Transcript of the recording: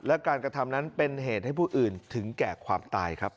และการกระทำนั้นเป็นเหตุให้ผู้อื่นถึงแก่ความตายครับ